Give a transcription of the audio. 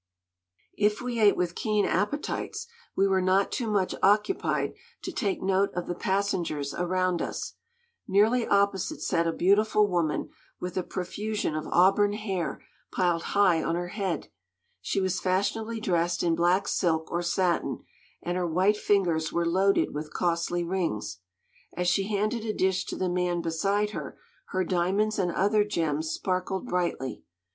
If we ate with keen appetites, we were not too much occupied to take note of the passengers around us. Nearly opposite sat a beautiful woman with a profusion of auburn hair piled high on her head. She was fashionably dressed in black silk or satin, and her white fingers were loaded with costly rings. As she handed a dish to the man beside her, her diamonds and other gems sparkled brightly.